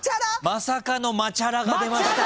まさかの「まちゃら」が出ました。